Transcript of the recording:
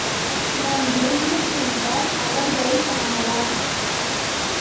நாம் விரைந்து சென்றால் அவர்களைக் காணலாம்.